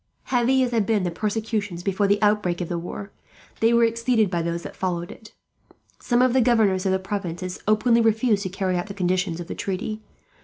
Heavy as had been the persecutions before the outbreak of the war, they were exceeded by those that followed it. Some of the governors of the provinces openly refused to carry out the conditions of the treaty.